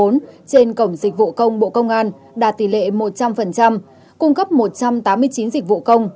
trên cổng dịch vụ công bộ công an đạt tỷ lệ một trăm linh cung cấp một trăm tám mươi chín dịch vụ công